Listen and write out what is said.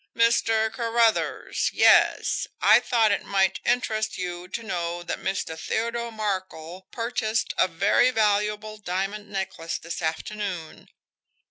"Mr. Carruthers? Yes. I thought it might interest you to know that Mr. Theodore Markel purchased a very valuable diamond necklace this afternoon.